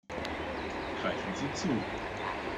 Greifen Sie zu!